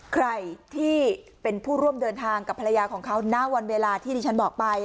ใครที่เป็นผู้ร่วมเดินทางกับภรรยาของเขาณวันเวลาที่ดิฉันบอกไป